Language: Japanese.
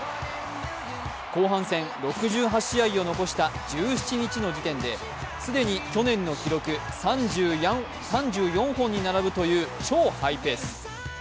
後半戦６８試合を残した１７日の時点で、既に去年の記録３４本に並ぶという超ハイペース。